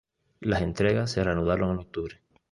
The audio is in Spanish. Las entregas se reanudaron en octubre.